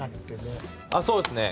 そうですね。